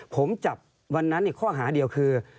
ผมจับวันนั้นข้อหาเดียวคือ